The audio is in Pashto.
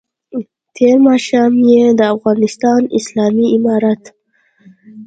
تېر ماښام یې د افغانستان اسلامي امارت